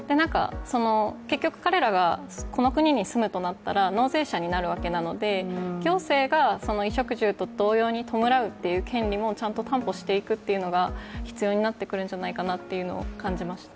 結局彼らがこの国に住むとなったら納税者になるわけなので、行政がその衣食住と同様に弔うという権利もちゃんと担保していくのが必要になってくるんじゃないかと感じました。